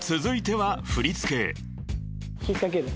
引っかける。